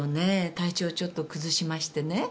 体調をちょっと崩しましてね。